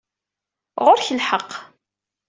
Ɣur-k lḥeqq.